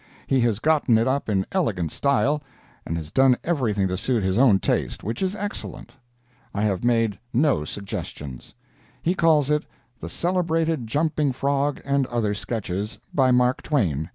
He has gotten it up in elegant style, and has done everything to suit his own taste, which is excellent. I have made no suggestions. He calls it "THE CELEBRATED JUMPING FROG, AND OTHER SKETCHES, by 'Mark Twain.'